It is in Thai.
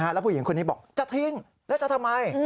แล้วผู้หญิงคนนี้บอกจะทิ้งแล้วจะทำไม